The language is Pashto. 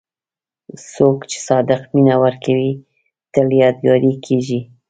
څوک چې صادق مینه ورکوي، تل یادګاري کېږي.